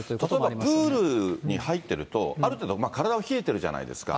例えばプールに入っていると、ある程度、体が冷えてるじゃないですか。